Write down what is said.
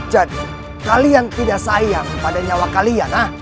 jadi kalian tidak sayang pada nyawa kalian